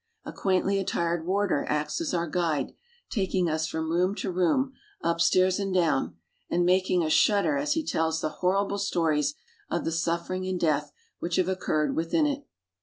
A quaintly attired warder acts as our guide, taking us from room to room, upstairs m r "We next visit the Tower of London." and down, and making us shudder as he tells the horrible stories of the suffering and death which have occurred within it.